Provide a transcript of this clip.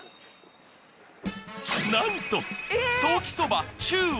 なんと！